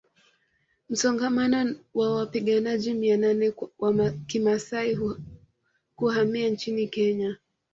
Msongamano wa wapiganaji mia nane wa Kimasai kuhamia nchini Kenya